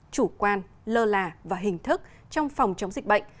chủ quan lơ là và hình thức trong phòng chống dịch bệnh